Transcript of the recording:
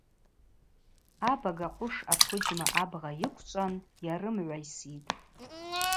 Абага къвыш аквыджьма абгъа йыквчӏван, йарымгӏвайситӏ.